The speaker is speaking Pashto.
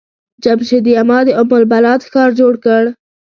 جمشيد يما د ام البلاد ښار جوړ کړ.